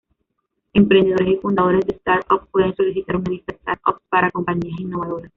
Emprendedores y fundadores de startups pueden solicitar una visa startups para compañías innovadoras.